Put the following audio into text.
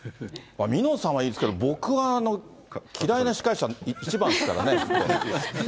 みのさんはいいんですけど、僕はあの、嫌いな司会者１番ですからね。